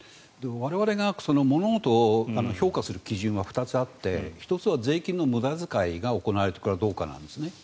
我々が物事を評価する基準は２つあって１つは税金の無駄遣いが行われているかどうかなんですね。